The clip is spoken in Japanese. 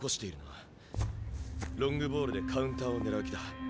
ロングボールでカウンターを狙う気だ。